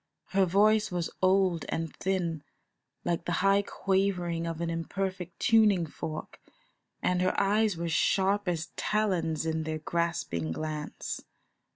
Her voice was old and thin, like the high quavering of an imperfect tuning fork, and her eyes were sharp as talons in their grasping glance.